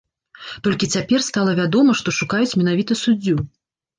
Толькі цяпер стала вядома, што шукаюць менавіта суддзю.